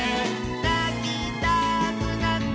「なきたくなったら」